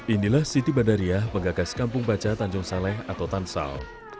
inilah siti badariah pegagas kampung baca tanjung saleh atau tansal